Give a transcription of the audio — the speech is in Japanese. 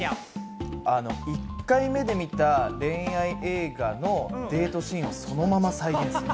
１回目で見た、恋愛映画のデートシーンをそのまま再現する。